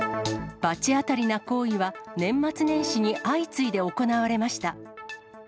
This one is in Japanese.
罰当たりな行為は、年末年始に相次いで行われました。